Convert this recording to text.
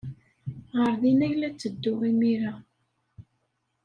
Ɣer din ay la ttedduɣ imir-a.